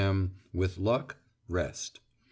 m. (With luck) rest. 7.